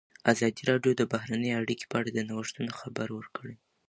ازادي راډیو د بهرنۍ اړیکې په اړه د نوښتونو خبر ورکړی.